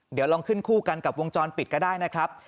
เดี๋ยวลองขึ้นคู่กันกับวงจรปิดก็ได้นะครับ